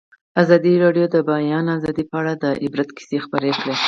ازادي راډیو د د بیان آزادي په اړه د عبرت کیسې خبر کړي.